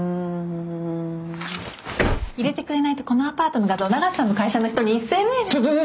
入れてくれないとこのアパートの画像永瀬さんの会社の人に一斉メール。